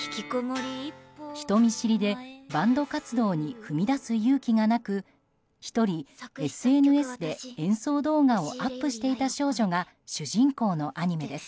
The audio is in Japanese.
人見知りでバンド活動に踏み出す勇気がなく１人、ＳＮＳで演奏動画をアップしていた少女が主人公のアニメです。